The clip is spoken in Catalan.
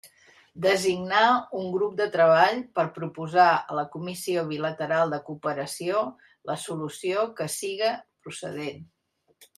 Designar un grup de treball per a proposar a la Comissió Bilateral de Cooperació la solució que siga procedent.